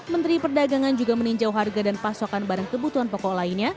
menteri perdagangan juga meninjau harga dan pasokan barang kebutuhan pokok lainnya